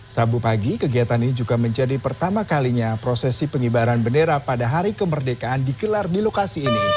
sabu pagi kegiatan ini juga menjadi pertama kalinya prosesi pengibaran bendera pada hari kemerdekaan dikelar di lokasi ini